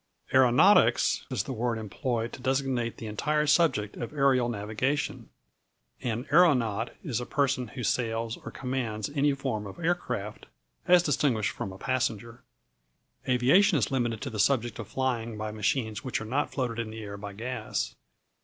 Aeronautics is the word employed to designate the entire subject of aerial navigation. An aeronaut is a person who sails, or commands, any form of aircraft, as distinguished from a passenger. Aviation is limited to the subject of flying by machines which are not floated in the air by gas.